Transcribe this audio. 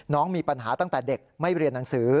น้องมีปัญหาตั้งแต่เด็กไม่เรียนหนังสือ